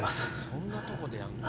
そんなとこでやんの？